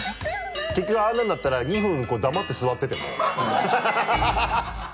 結局ああなるんだったら２分黙って座ってても